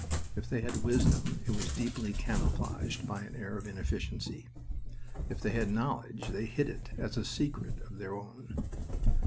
If they had wisdom it was deeply camouflaged by an air of inefficiency. If they had knowledge they hid it as a secret of their own.